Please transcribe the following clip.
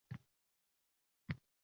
Sizning sog'ligingiz uchun!